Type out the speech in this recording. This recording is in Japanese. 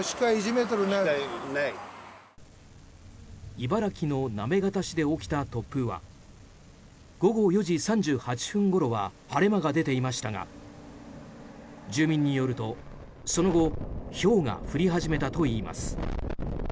茨城の行方市で起きた突風は午後４時３８分ごろは晴れ間が出ていましたが住民によると、その後ひょうが降り始めたといいます。